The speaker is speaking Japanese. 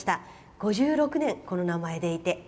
５６年この名前でいて。